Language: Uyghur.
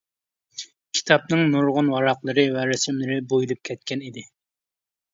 كىتابىڭ نۇرغۇن ۋاراقلىرى ۋە رەسىملىرى بويىلىپ كەتكەنىدى.